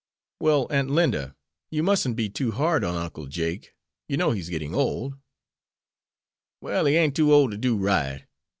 "Well, Aunt Linda, you musn't be too hard on Uncle Jake; you know he's getting old." "Well he ain't too ole ter do right.